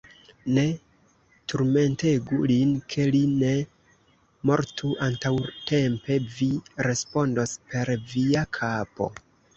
Ne turmentegu lin, ke li ne mortu antaŭtempe: vi respondos per via kapo!